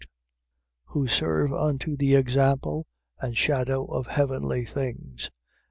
Who serve unto the example and shadow of heavenly things.